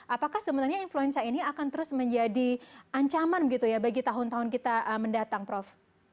apakah sebenarnya influenza ini akan terus menjadi ancaman begitu ya bagi tahun tahun kita mendatang prof